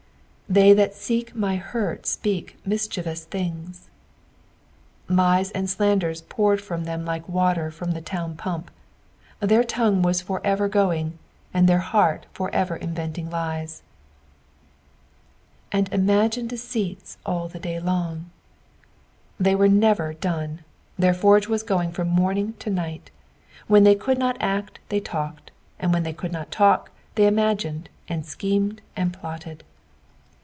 "They that teek my hurt ipeak minehiewui thitigi." Lies and slanders poured from them like water from the town pump. Their tongue was for ever going, and their heart for ever inventing bea. "And iTnagine deceit* all the day long.'" They were never done, their forge was going from morning to night. When they could not act they talked, and when the^ could not talk they imagined, and schemed, and plotted.